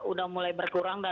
udah mulai berkurang